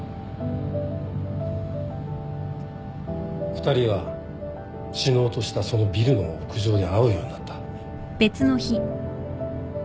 ２人は死のうとしたそのビルの屋上で会うようになった。